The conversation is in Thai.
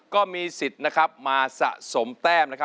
ก็มีสิทธิ์มาสะสมแต่ง